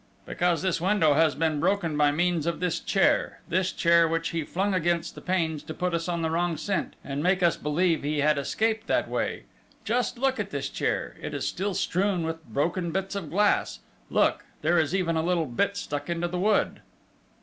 "Because this window has been broken by means of this chair: this chair, which he flung against the panes to put us on the wrong scent, and make us believe he had escaped that way!... Just look at this chair! It is still strewn with broken bits of glass ... look, there is even a little bit stuck into the wood!"